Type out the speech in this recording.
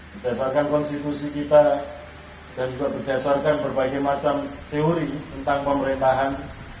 berdasarkan konstitusi kita dan juga berdasarkan berbagai macam teori tentang pemerintahan